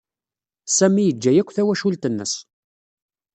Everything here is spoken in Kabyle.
Sami yeǧǧa akk tawacult-nnes.